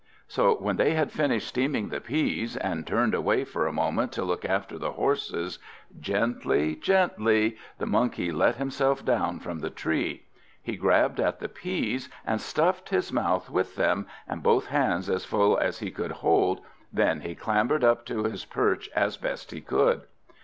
So when they had finished steaming the peas, and turned away for a moment to look after the horses, gently, gently, the Monkey let himself down from the tree. He grabbed at the peas, and stuffed his mouth with them, and both hands as full as they could hold, then he clambered up to his perch as best he could.